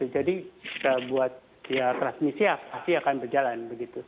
jadi buat transmisi pasti akan berjalan